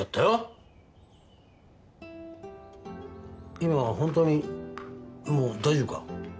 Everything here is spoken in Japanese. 今は本当にもう大丈夫か？